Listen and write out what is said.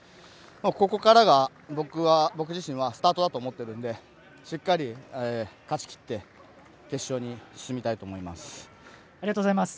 ここからが僕自身はスタートだと思っているのでしっかり、勝ちきって決勝に進みたいと思います。